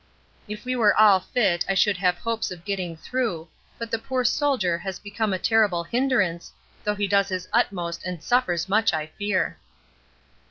If we were all fit I should have hopes of getting through, but the poor Soldier has become a terrible hindrance, though he does his utmost and suffers much I fear.